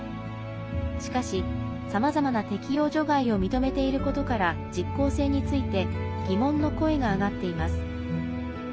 しかし、さまざまな適用除外を認めていることから実効性について疑問の声が上がっています。